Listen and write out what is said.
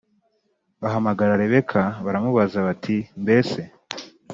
Bahamagara Rebeka baramubaza bati mbese